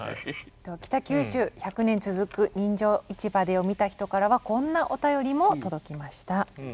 「北九州１００年続く人情市場で」を見た人からはこんなお便りも届きました。